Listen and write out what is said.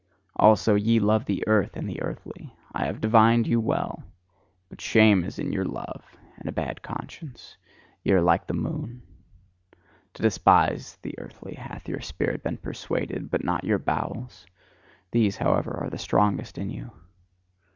Also ye love the earth, and the earthly: I have divined you well! but shame is in your love, and a bad conscience ye are like the moon! To despise the earthly hath your spirit been persuaded, but not your bowels: these, however, are the strongest in you!